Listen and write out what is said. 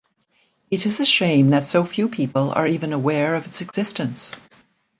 It is a shame that so few people are even aware of its existence.